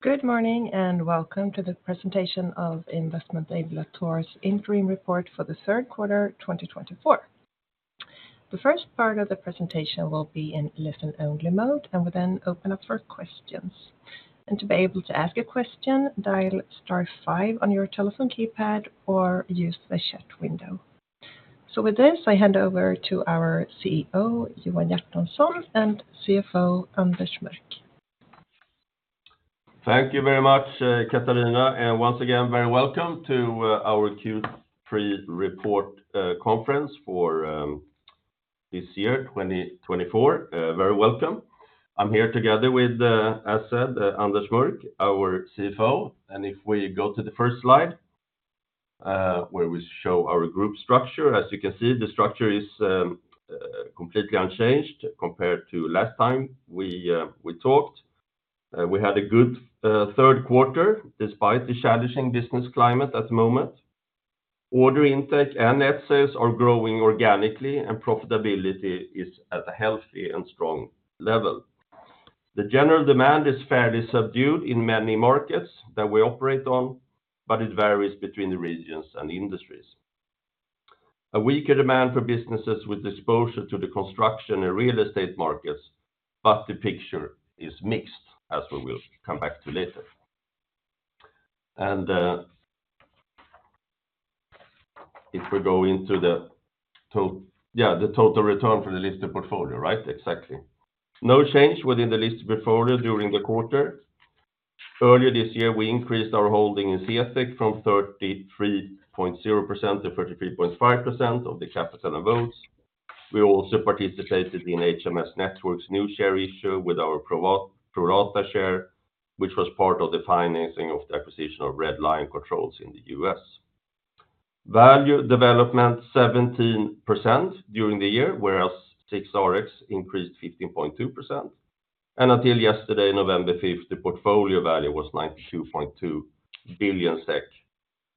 Good morning and welcome to the presentation of Investment AB Latour's Interim Report for the third quarter 2024. The first part of the presentation will be in listen-only mode, and we then open up for questions. And to be able to ask a question, dial star five on your telephone keypad or use the chat window. So with this, I hand over to our CEO, Johan Hjertonsson, and CFO, Anders Mörck. Thank you very much, Katarina, and once again, very welcome to our Q3 report conference for this year, 2024. Very welcome. I'm here together with, as said, Anders Mörck, our CFO. And if we go to the first slide, where we show our group structure, as you can see, the structure is completely unchanged compared to last time we talked. We had a good third quarter despite the challenging business climate at the moment. Order intake and net sales are growing organically, and profitability is at a healthy and strong level. The general demand is fairly subdued in many markets that we operate on, but it varies between the regions and industries. A weaker demand for businesses with exposure to the construction and real estate markets, but the picture is mixed, as we will come back to later. If we go into the total return for the listed portfolio, right, exactly. No change within the listed portfolio during the quarter. Earlier this year, we increased our holding in CTEK from 33.0% to 33.5% of the capital and votes. We also participated in HMS Networks' new share issue with our pro rata share, which was part of the financing of the acquisition of Redline Controls in the U.S. Value development 17% during the year, whereas SIXRX increased 15.2%. Until yesterday, November 5th, the portfolio value was 92.2 billion SEK.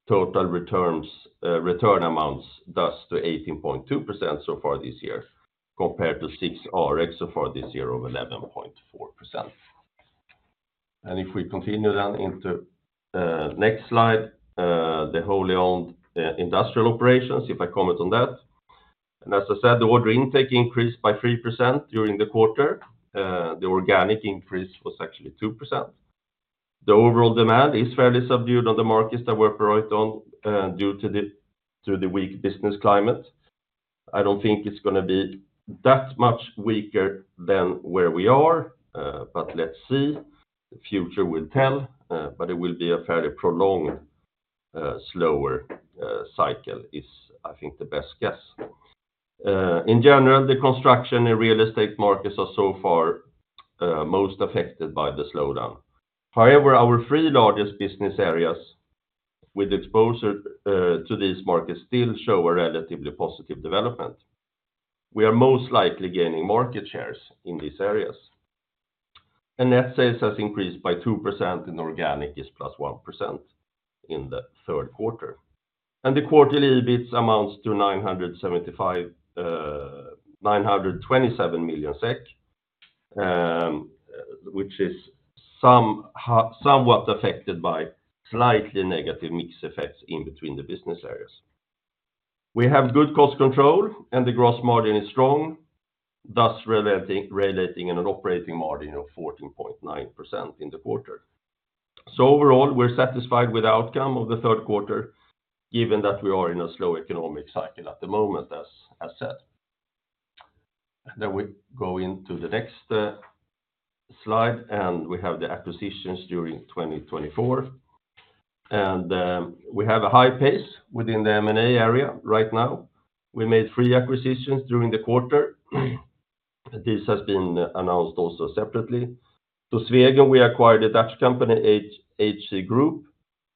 Total return amounts thus to 18.2% so far this year, compared to SIXRX so far this year of 11.4%. If we continue then into the next slide, the wholly owned industrial operations, if I comment on that. As I said, the order intake increased by 3% during the quarter. The organic increase was actually 2%. The overall demand is fairly subdued on the markets that we operate on due to the weak business climate. I don't think it's going to be that much weaker than where we are, but let's see. The future will tell, but it will be a fairly prolonged, slower cycle is, I think, the best guess. In general, the construction and real estate markets are so far most affected by the slowdown. However, our three largest business areas with exposure to these markets still show a relatively positive development. We are most likely gaining market shares in these areas, and net sales has increased by 2% and organic is plus 1% in the third quarter, and the quarterly EBIT amounts to SEK 927 million, which is somewhat affected by slightly negative mixed effects in between the business areas. We have good cost control and the gross margin is strong, thus relating an operating margin of 14.9% in the quarter. So overall, we're satisfied with the outcome of the third quarter, given that we are in a slow economic cycle at the moment, as said. And then we go into the next slide, and we have the acquisitions during 2024. And we have a high pace within the M&A area right now. We made three acquisitions during the quarter. This has been announced also separately. To Swegon, we acquired the Dutch company HC Groep,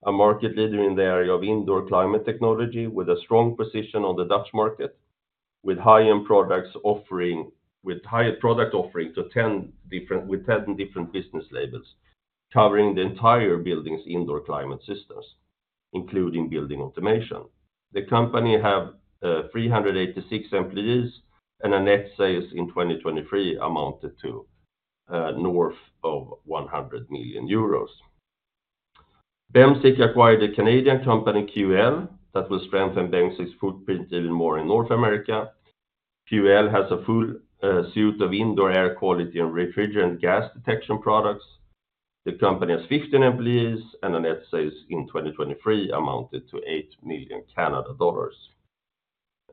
a market leader in the area of indoor climate technology with a strong position on the Dutch market, with high-end products offering with higher product offering to 10 different business labels, covering the entire building's indoor climate systems, including building automation. The company has 386 employees and a net sales in 2023 amounted to north of 100 million euros. Bemsiq acquired the Canadian company QEL that will strengthen Bemsiq's footprint even more in North America. QEL has a full suite of indoor air quality and refrigerant gas detection products. The company has 15 employees and a net sales in 2023 amounted to 8 million dollars.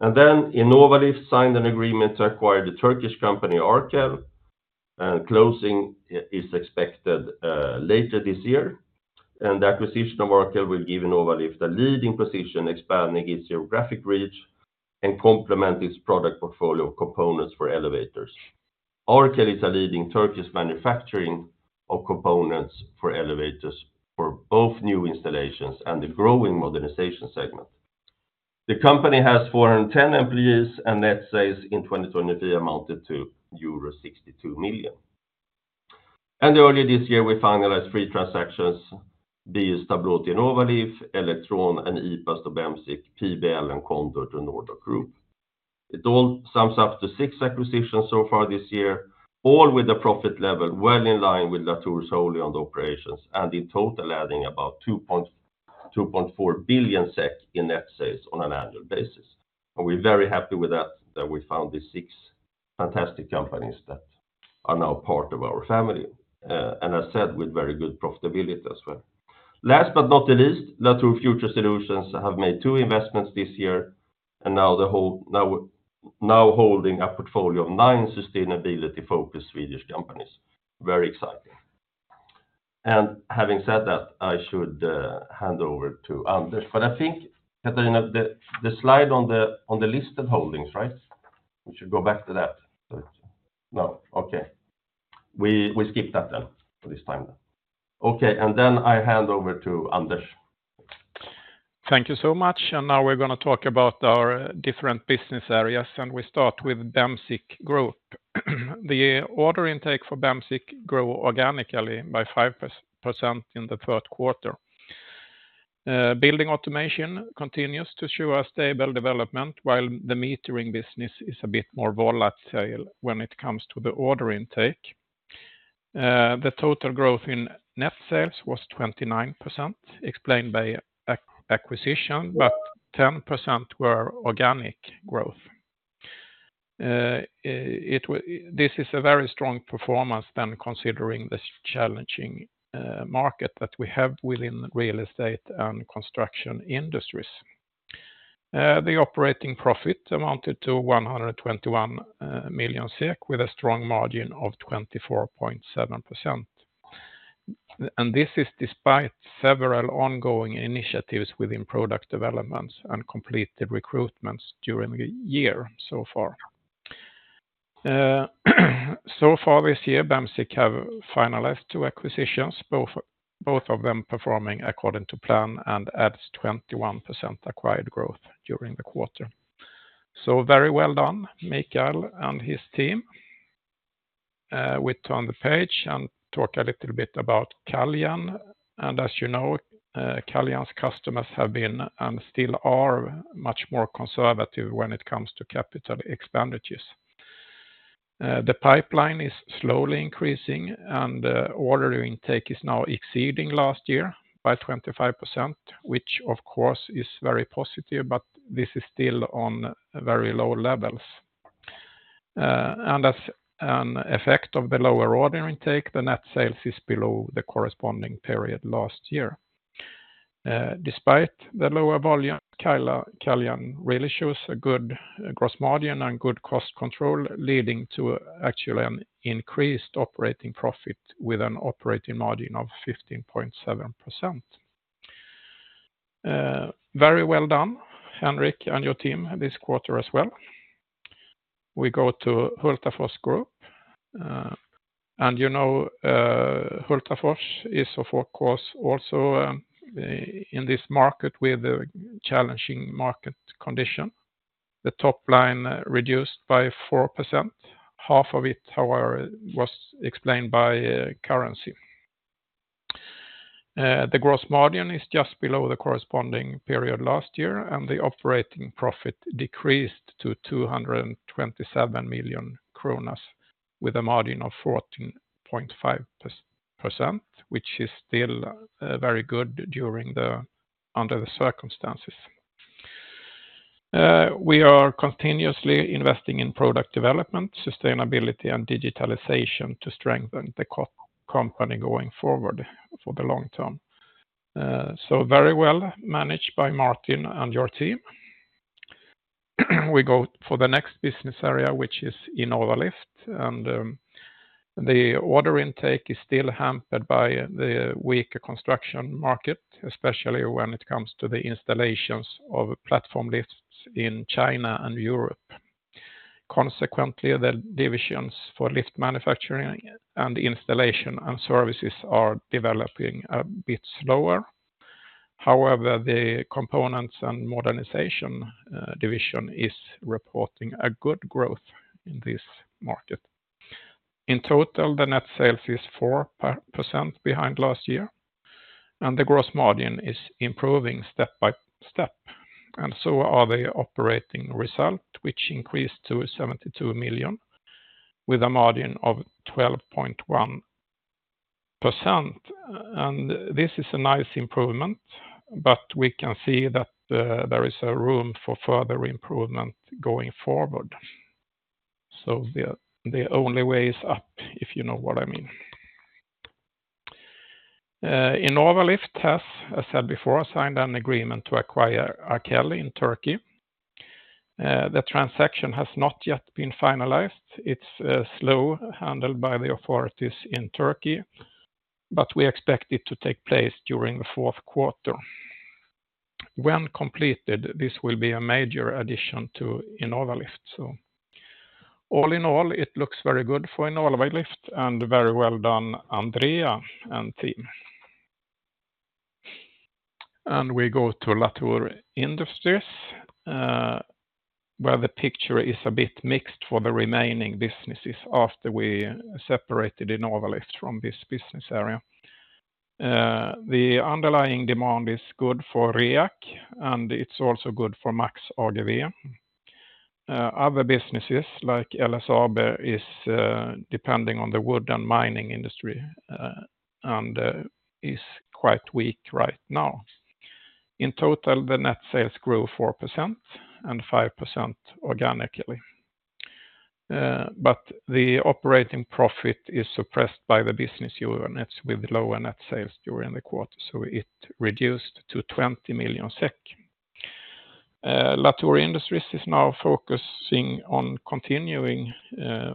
And then Innovalift signed an agreement to acquire the Turkish company Arkel, and closing is expected later this year. And the acquisition of Arkel will give Innovalift a leading position, expanding its geographic reach and complement its product portfolio components for elevators. Arkel is a leading Turkish manufacturer of components for elevators for both new installations and the growing modernization segment. The company has 410 employees and net sales in 2023 amounted to euro 62 million. Earlier this year, we finalized three transactions: BS Tableau, Innovalift, Electron, and Ipas to Bemsiq, PBL, and Condor to Nord-Lock Group. It all sums up to six acquisitions so far this year, all with a profit level well in line with Latour's wholly owned operations and in total adding about 2.4 billion SEK in net sales on an annual basis. We're very happy with that, that we found these six fantastic companies that are now part of our family. As said, with very good profitability as well. Last but not the least, Latour Future Solutions have made two investments this year and now holding a portfolio of nine sustainability-focused Swedish companies. Very exciting. Having said that, I should hand over to Anders. I think, Katarina, the slide on the listed holdings, right? We should go back to that. No, okay. We skip that then for this time then. Okay, and then I hand over to Anders. Thank you so much. Now we're going to talk about our different business areas. We start with Bemsiq Group. The order intake for Bemsiq grew organically by 5% in the third quarter. Building automation continues to show a stable development, while the metering business is a bit more volatile when it comes to the order intake. The total growth in net sales was 29%, explained by acquisition, but 10% were organic growth. This is a very strong performance then considering the challenging market that we have within real estate and construction industries. The operating profit amounted to 121 million SEK with a strong margin of 24.7%. This is despite several ongoing initiatives within product developments and completed recruitments during the year so far. So far this year, Bemsiq have finalized two acquisitions, both of them performing according to plan and adds 21% acquired growth during the quarter. Very well done, Mikael and his team. We turn the page and talk a little bit about Caljan. As you know, Caljan's customers have been and still are much more conservative when it comes to capital expenditures. The pipeline is slowly increasing and order intake is now exceeding last year by 25%, which of course is very positive, but this is still on very low levels. As an effect of the lower order intake, the net sales is below the corresponding period last year. Despite the lower volume, Caljan really shows a good gross margin and good cost control, leading to actually an increased operating profit with an operating margin of 15.7%. Very well done, Henrik and your team, this quarter as well. We go to Hultafors Group. You know, Hultafors is of course also in this market with a challenging market condition. The top line reduced by 4%. Half of it, however, was explained by currency. The gross margin is just below the corresponding period last year, and the operating profit decreased to 227 million kronor with a margin of 14.5%, which is still very good under the circumstances. We are continuously investing in product development, sustainability, and digitalization to strengthen the company going forward for the long term. So very well managed by Martin and your team. We go for the next business area, which is Innovalift. And the order intake is still hampered by the weaker construction market, especially when it comes to the installations of platform lifts in China and Europe. Consequently, the divisions for lift manufacturing and installation and services are developing a bit slower. However, the components and modernization division is reporting a good growth in this market. In total, the net sales is 4% behind last year, and the gross margin is improving step by step, and so are the operating result, which increased to 72 million SEK with a margin of 12.1%, and this is a nice improvement, but we can see that there is a room for further improvement going forward, so the only way is up, if you know what I mean. Innovalift has, as said before, signed an agreement to acquire Arkel in Turkey. The transaction has not yet been finalized. It's slowly handled by the authorities in Turkey, but we expect it to take place during the fourth quarter. When completed, this will be a major addition to Innovalift. All in all, it looks very good for Innovalift and very well done, Andrea and team. We go to Latour Industries, where the picture is a bit mixed for the remaining businesses after we separated Innovalift from this business area. The underlying demand is good for REAC, and it's also good for MAX AGV. Other businesses like LSAB are depending on the wood and mining industry and are quite weak right now. In total, the net sales grew 4% and 5% organically. But the operating profit is suppressed by the business units with lower net sales during the quarter, so it reduced to 20 million SEK. Latour Industries is now focusing on continuing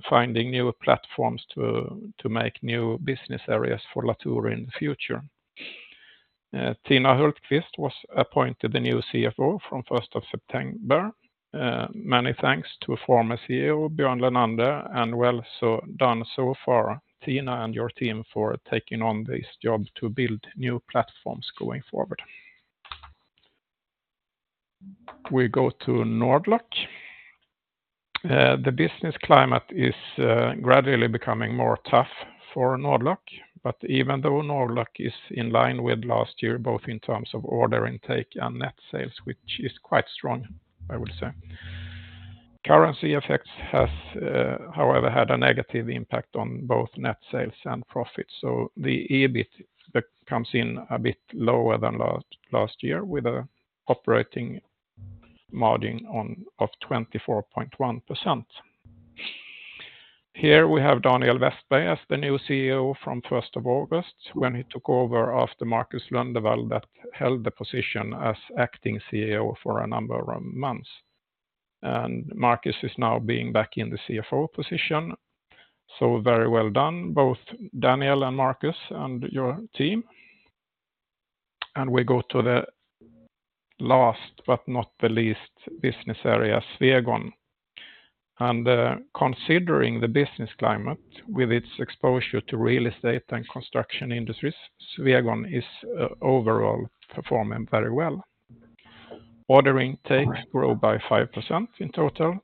finding new platforms to make new business areas for Latour in the future. Tina Hultqvist was appointed the new CFO from 1st of September. Many thanks to former CEO Björn Lennander and well done so far, Tina and your team for taking on this job to build new platforms going forward. We go to Nord-lock. The business climate is gradually becoming more tough for Nord-lock, but even though Nordlock is in line with last year, both in terms of order intake and net sales, which is quite strong, I would say. Currency effects have, however, had a negative impact on both net sales and profits, so the EBIT comes in a bit lower than last year with an operating margin of 24.1%. Here we have Daniel Westberg as the new CEO from first of August when he took over after Markus Lundevall that held the position as acting CEO for a number of months, and Markus is now being back in the CFO position, so very well done, both Daniel and Markus and your team, and we go to the last but not the least business area, Swegon. Considering the business climate with its exposure to real estate and construction industries, Swegon is overall performing very well. Order intake grew by 5% in total,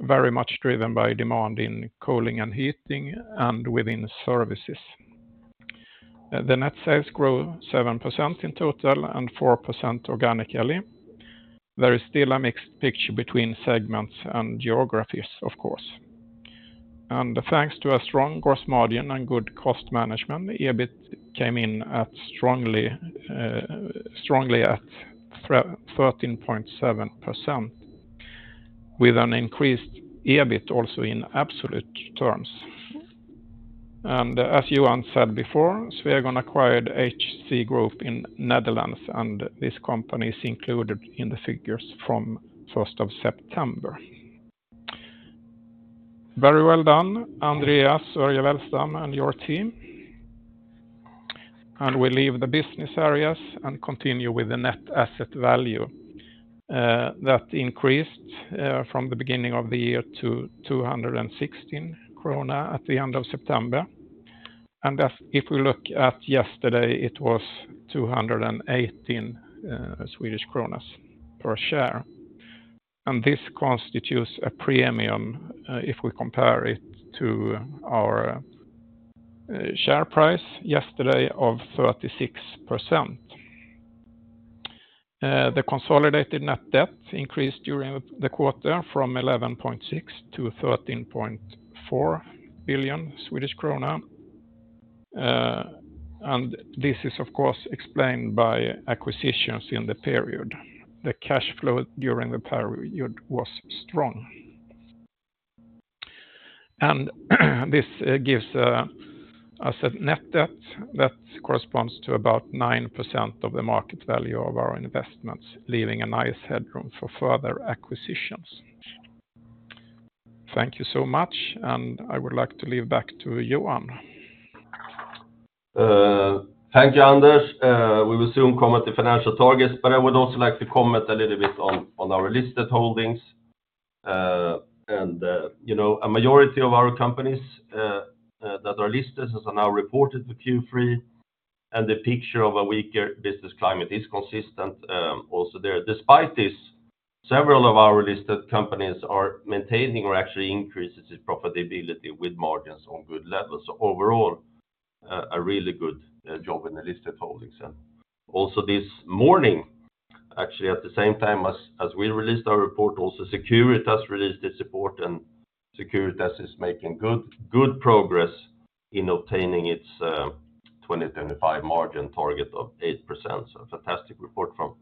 very much driven by demand in cooling and heating and within services. The net sales grew 7% in total and 4% organically. There is still a mixed picture between segments and geographies, of course. Thanks to a strong gross margin and good cost management, EBIT came in strongly at 13.7% with an increased EBIT also in absolute terms. As Johan said before, Swegon acquired HC Groep in the Netherlands, and this company is included in the figures from 1st of September. Very well done, Andreas Örje Wellstam and your team. We leave the business areas and continue with the net asset value that increased from the beginning of the year to 216 krona at the end of September. If we look at yesterday, it was 218 per share. This constitutes a premium if we compare it to our share price yesterday of 36%. The consolidated net debt increased during the quarter from 11.6 billion to 13.4 billion Swedish krona. This is, of course, explained by acquisitions in the period. The cash flow during the period was strong. This gives us a net debt that corresponds to about 9% of the market value of our investments, leaving a nice headroom for further acquisitions. Thank you so much, and I would like to leave back to Johan. Thank you, Anders. We will soon comment on financial targets, but I would also like to comment a little bit on our listed holdings, and you know, a majority of our companies that are listed are now reported to Q3, and the picture of a weaker business climate is consistent also there. Despite this, several of our listed companies are maintaining or actually increasing profitability with margins on good levels, so overall, a really good job in the listed holdings, and also this morning, actually at the same time as we released our report, also Securitas released its report, and Securitas is making good progress in obtaining its 2025 margin target of 8%, so a fantastic report from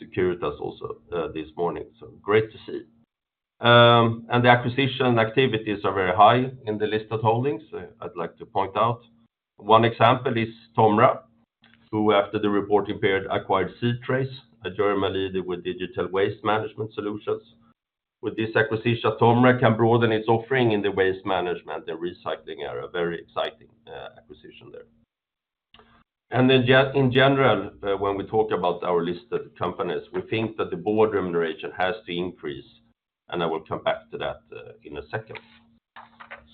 Securitas also this morning, so great to see, and the acquisition activities are very high in the listed holdings, I'd like to point out. One example is Tomra, who after the reporting period acquired c-trace, a German leader with digital waste management solutions. With this acquisition, Tomra can broaden its offering in the waste management and recycling area. Very exciting acquisition there, and in general, when we talk about our listed companies, we think that the board remuneration has to increase, and I will come back to that in a second,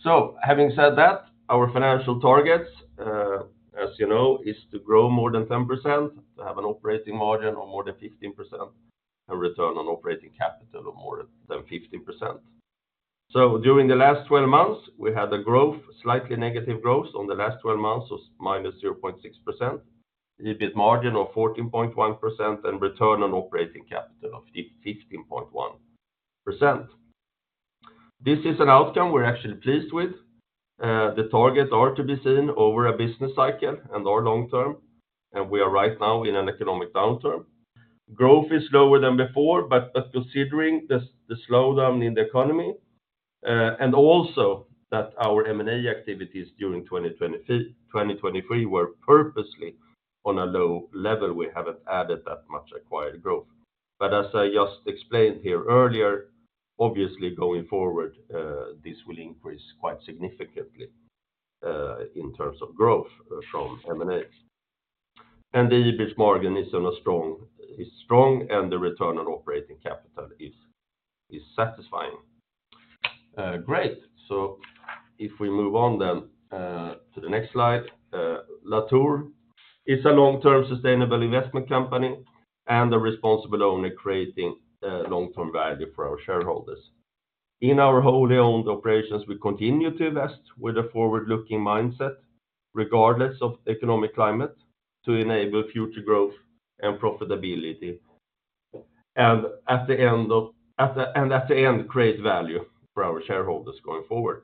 so having said that, our financial targets, as you know, is to grow more than 10%, to have an operating margin of more than 15%, and return on operating capital of more than 15%. So during the last 12 months, we had a growth, slightly negative growth on the last 12 months of minus 0.6%, EBIT margin of 14.1%, and return on operating capital of 15.1%. This is an outcome we're actually pleased with. The targets are to be seen over a business cycle and are long term, and we are right now in an economic downturn. Growth is slower than before, but considering the slowdown in the economy and also that our M&A activities during 2023 were purposely on a low level, we haven't added that much acquired growth. But as I just explained here earlier, obviously going forward, this will increase quite significantly in terms of growth from M&A. And the EBIT margin is strong, and the return on operating capital is satisfying. Great. So if we move on then to the next slide, Latour is a long-term sustainable investment company and a responsible owner creating long-term value for our shareholders. In our wholly owned operations, we continue to invest with a forward-looking mindset regardless of economic climate to enable future growth and profitability and in the end create value for our shareholders going forward.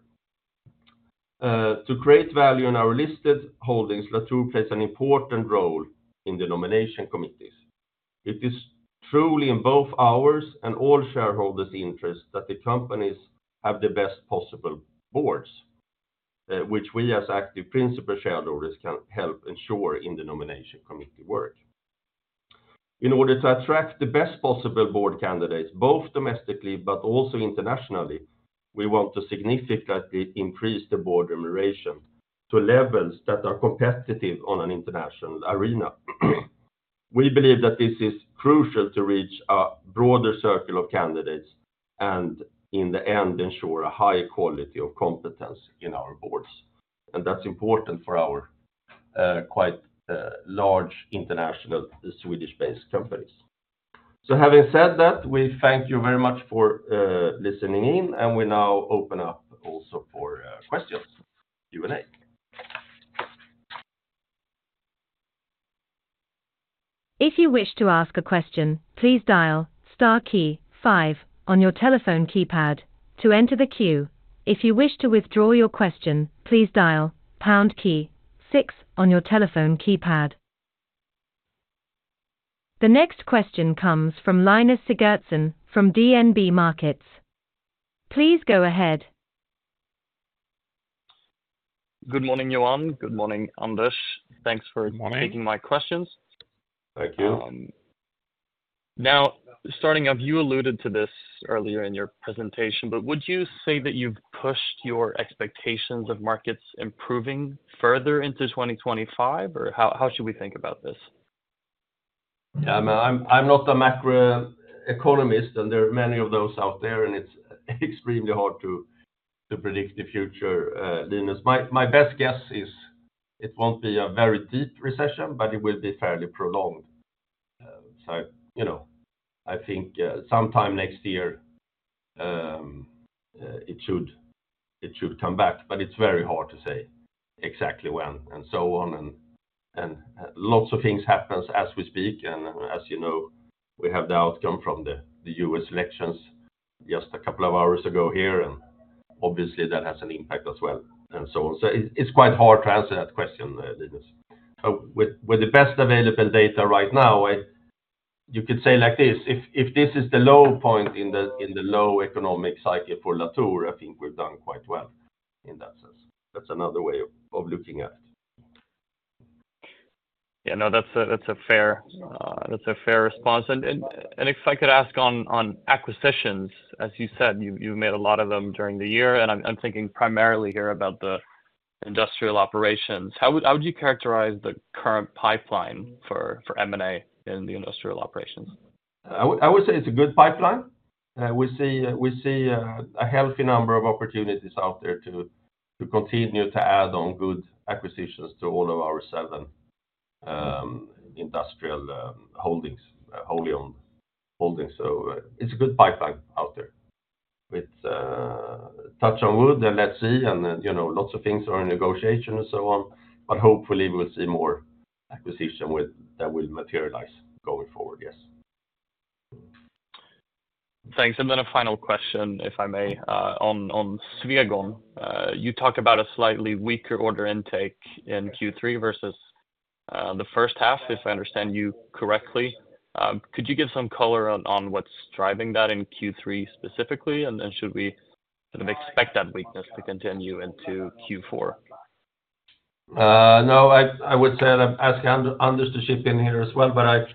To create value in our listed holdings, Latour plays an important role in the nomination committees. It is truly in both ours and all shareholders' interests that the companies have the best possible boards, which we as active principal shareholders can help ensure in the nomination committee work. In order to attract the best possible board candidates, both domestically but also internationally, we want to significantly increase the board remuneration to levels that are competitive on an international arena. We believe that this is crucial to reach a broader circle of candidates and in the end ensure a high quality of competence in our boards. And that's important for our quite large international Swedish-based companies. So having said that, we thank you very much for listening in, and we now open up also for questions. Q&A. If you wish to ask a question, please dial star key five on your telephone keypad to enter the queue. If you wish to withdraw your question, please dial pound key six on your telephone keypad. The next question comes from Linus Sigurdson from DNB Markets. Please go ahead. Good morning, Johan. Good morning, Anders. Thanks for taking my questions. Thank you. Now, starting off, you alluded to this earlier in your presentation, but would you say that you've pushed your expectations of markets improving further into 2025, or how should we think about this? Yeah, I'm not a macro economist, and there are many of those out there, and it's extremely hard to predict the future, Linus. My best guess is it won't be a very deep recession, but it will be fairly prolonged. So I think sometime next year, it should come back, but it's very hard to say exactly when and so on. And lots of things happen as we speak, and as you know, we have the outcome from the U.S. elections just a couple of hours ago here, and obviously that has an impact as well. And so on. So it's quite hard to answer that question, Linus. With the best available data right now, you could say like this, if this is the low point in the low economic cycle for Latour, I think we've done quite well in that sense. That's another way of looking at it. Yeah, no, that's a fair response, and if I could ask on acquisitions, as you said, you've made a lot of them during the year, and I'm thinking primarily here about the industrial operations. How would you characterize the current pipeline for M&A in the industrial operations? I would say it's a good pipeline. We see a healthy number of opportunities out there to continue to add on good acquisitions to all of our seven industrial holdings, wholly owned holdings. So it's a good pipeline out there. Knock on wood, and let's see, and lots of things are in negotiation and so on, but hopefully we'll see more acquisitions that will materialize going forward, yes. Thanks. And then a final question, if I may, on Swegon. You talked about a slightly weaker order intake in Q3 versus the first half, if I understand you correctly. Could you give some color on what's driving that in Q3 specifically, and then should we expect that weakness to continue into Q4? No, I would say I'd ask Anders to chip in here as well, but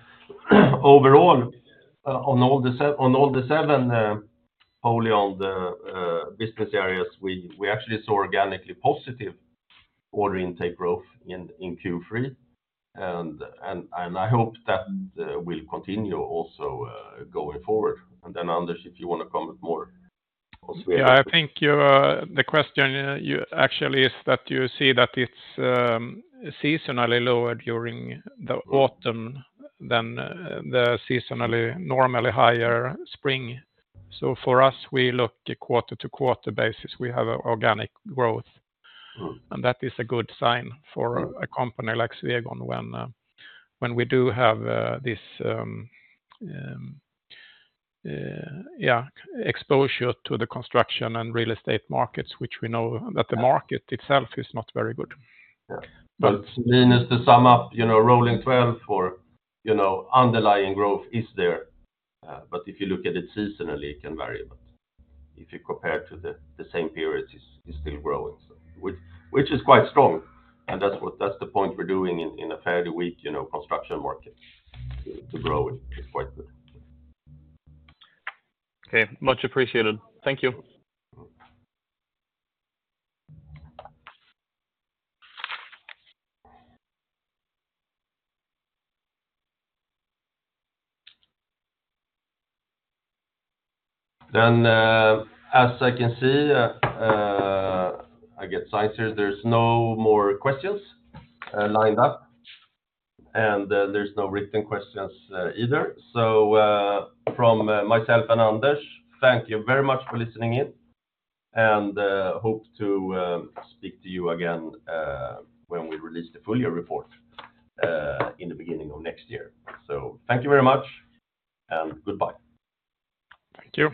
overall, on all the seven wholly owned business areas, we actually saw organically positive order intake growth in Q3, and I hope that will continue also going forward, and then Anders, if you want to comment more on Swegon. Yeah, I think the question actually is that you see that it's seasonally lower during the autumn than the seasonally normally higher spring. So for us, we look at quarter-to-quarter basis, we have organic growth, and that is a good sign for a company like Swegon when we do have this, yeah, exposure to the construction and real estate markets, which we know that the market itself is not very good. But Linus, to sum up, rolling 12 for underlying growth is there, but if you look at it seasonally, it can vary, but if you compare it to the same period, it's still growing, which is quite strong. And that's the point we're doing in a fairly weak construction market. To grow, it's quite good. Okay, much appreciated. Thank you. Then, as I can see, I get signed here. There's no more questions lined up, and there's no written questions either. So from myself and Anders, thank you very much for listening in, and hope to speak to you again when we release the full year report in the beginning of next year. So thank you very much, and goodbye. Thank you.